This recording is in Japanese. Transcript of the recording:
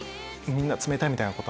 みんなが冷たいみたいな。